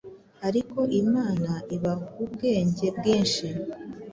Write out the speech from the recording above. Ariko Imana Ibahubwenge bwinshi